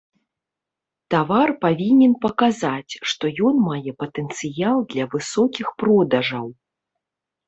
Тавар павінен паказаць, што ён мае патэнцыял для высокіх продажаў.